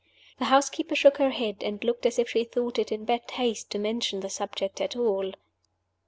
The housekeeper shook her head, and looked as if she thought it in bad taste to mention the subject at all.